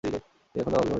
তিনি এখনও অবিবাহিত।